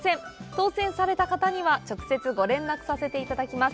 当せんされた方には直接ご連絡させていただきます。